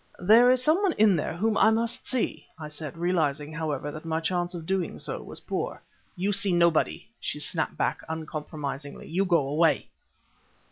"There is some one in there whom I must see," I said, realizing, however, that my chance of doing so was poor. "You see nobody," she snapped back uncompromisingly. "You go away!"